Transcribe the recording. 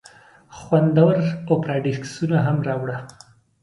خوندور اوپيراډیسکونه هم راوړه.